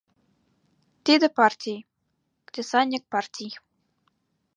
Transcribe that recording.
Тиде партий — кресаньык партий.